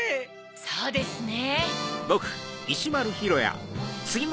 そうですね。